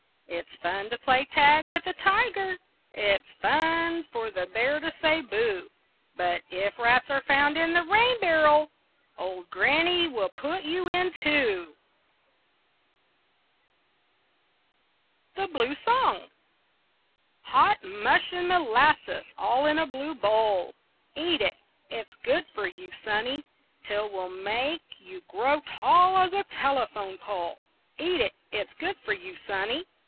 It's fun to play tag with a tiger, It's fun for the bear to say "boo," But if rats are found in the rain barrel Old Granny will put you in too. THE BLUE SONG Hot mush and molasses all in a blue bowl Eat it, it's good for you, sonny. 'T will make you grow tall as a telephone pole Eat it, it's good for you, sonny.